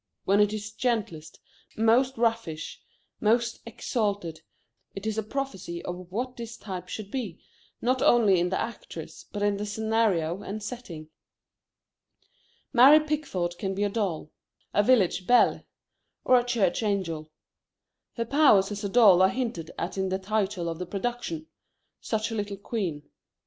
When it is gentlest, most roguish, most exalted, it is a prophecy of what this type should be, not only in the actress, but in the scenario and setting. Mary Pickford can be a doll, a village belle, or a church angel. Her powers as a doll are hinted at in the title of the production: Such a Little Queen.